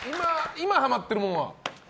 今ハマってるものは？